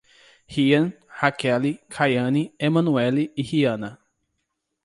Riam, Raquele, Kaiane, Emanuely e Riana